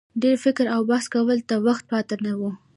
ډېر فکر او بحث کولو ته وخت پاته نه وو.